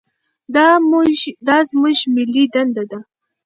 دا زموږ ملي دنده ده.